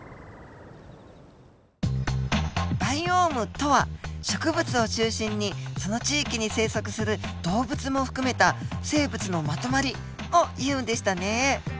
バイオームとは植物を中心にその地域に生息する動物も含めた生物のまとまりをいうんでしたね。